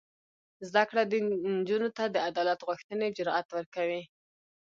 زده کړه نجونو ته د عدالت غوښتنې جرات ورکوي.